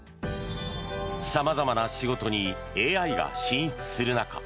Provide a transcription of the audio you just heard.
様々な仕事にＡＩが進出する中